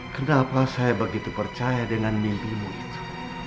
kenapa saya begitu percaya dengan mimpimu itu